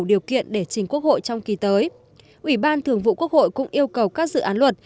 điều kiện để chính quốc hội trong kỳ tới ủy ban thường vụ quốc hội cũng yêu cầu các dự án luật